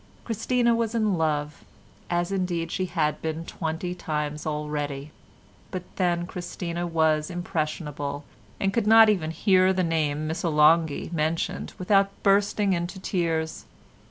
Christina was in love, as indeed she had been twenty times already. But then Christina was impressionable and could not even hear the name "Missolonghi" mentioned without bursting into tears.